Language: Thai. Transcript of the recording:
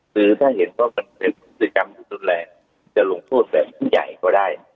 คือถ้าเห็นว่ามันเป็นศึกรรมที่สุดแรงจะลงโทษแบบใหญ่ก็ได้